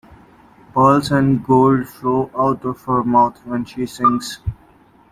Pearls and gold flow out of her mouth when she sings.